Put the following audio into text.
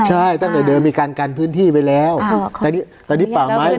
ใช่ตั้งแต่เดิมมีการกันพื้นที่ไปแล้วตอนนี้ป่าไม้